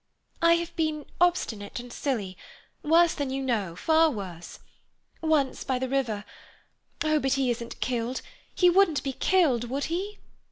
"I have been obstinate and silly—worse than you know, far worse. Once by the river—Oh, but he isn't killed—he wouldn't be killed, would he?"